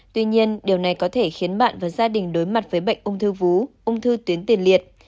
tuy nhiên điều này có thể khiến bạn và gia đình đối mặt với bệnh ung thư vú ung thư tuyến tiền liệt